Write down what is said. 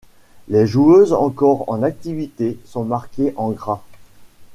Les joueuses encore en activité sont marquées en gras.